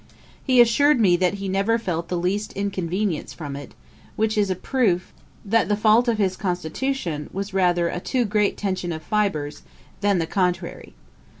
He assured me, that he never felt the least inconvenience from it; which is a proof that the fault of his constitution was rather a too great tension of fibres, than the contrary.